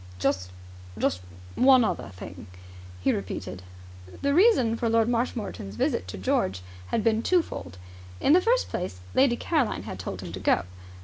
"Just just one other thing," he repeated. The reason for Lord Marshmoreton's visit to George had been twofold. In the first place, Lady Caroline had told him to go.